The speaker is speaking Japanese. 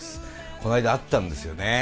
この間会ったんですよねえ。